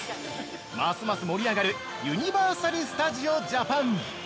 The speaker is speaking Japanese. ますます盛り上がるユニバーサル・スタジオ・ジャパン！